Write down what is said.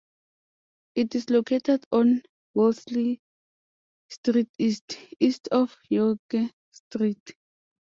It is located on Wellesley Street East, east of Yonge Street.